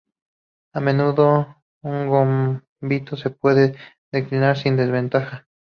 A menudo, un gambito se puede declinar sin desventaja.